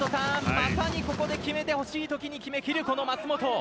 まさにここで決めてほしいときに決め切る舛本。